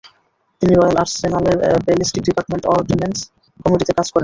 তিনি রয়েল আর্সেনালের ballistic department ordnance কমিটিতে কাজ করেন।